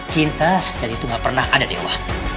cinta sediak itu nggak pernah ada dewa